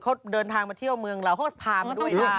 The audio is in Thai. เขาเดินทางมาเที่ยวเมืองเราเขาก็พามาด้วย